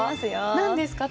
何ですか？